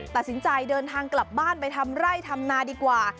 ตัดสินใจเดินทางกลับบ้านไปทำไร่ทำนาดีกว่า